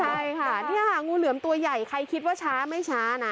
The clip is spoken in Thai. ใช่ค่ะนี่ค่ะงูเหลือมตัวใหญ่ใครคิดว่าช้าไม่ช้านะ